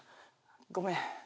ごめん。